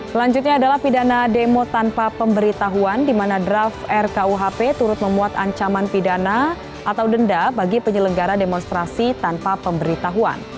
selanjutnya adalah pidana demo tanpa pemberitahuan di mana draft rkuhp turut memuat ancaman pidana atau denda bagi penyelenggara demonstrasi tanpa pemberitahuan